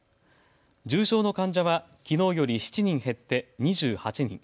重症の患者はきのうより７人減って２８人。